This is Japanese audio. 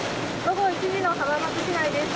午後１時の浜松市内です。